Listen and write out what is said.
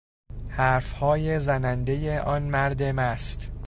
حرفهای زنندهی آن مرد مست